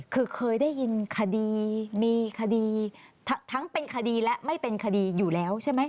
คือเคยได้ยินคดีมีคดีทั้งเป็นคดีและไม่เป็นคดีอยู่แล้วใช่ไหม